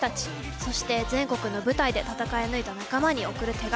そして、全国の舞台で戦い抜いた仲間に送る手紙。